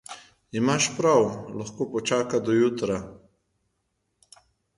Imaš prav, lahko počaka do jutra.